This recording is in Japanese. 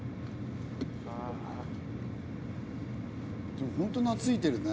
でもほんと懐いてるね。